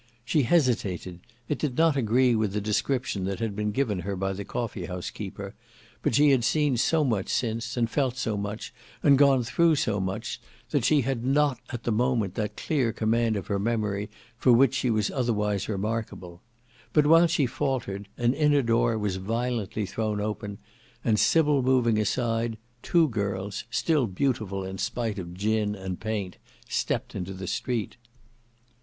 She hesitated; it did not agree with the description that had been given her by the coffee house keeper, but she had seen so much since, and felt so much, and gone through so much, that she had not at the moment that clear command of her memory for which she was otherwise remarkable; but while she faltered, an inner door was violently thrown open, and Sybil moving aside, two girls, still beautiful in spite of gin and paint, stepped into the Street.